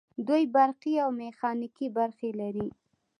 دوی برقي او میخانیکي برخې لري.